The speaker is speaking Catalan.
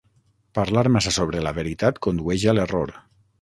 Parlar massa sobre la veritat condueix a l'error.